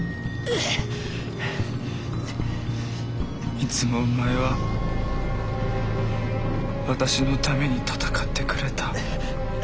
いつもお前は私のために戦ってくれた。